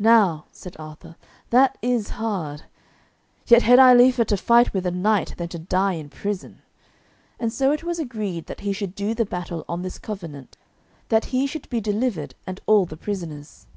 "Now," said Arthur, "that is hard, yet had I liefer to fight with a knight than to die in prison," and so it was agreed that he should do the battle on this covenant, that he should be delivered and all the prisoners.